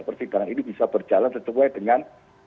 persidangan ini bisa berjalan sesuai dengan